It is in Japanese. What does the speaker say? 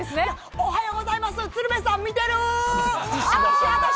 おはようございます。